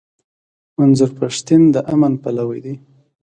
منظور پښتين د امن پلوی دی.